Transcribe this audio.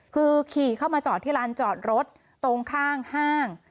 คือขี่เข้ามาจอดที่ลานจอดรถตรงข้างห้าง